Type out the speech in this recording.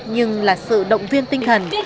nhưng là sự động viên tinh thần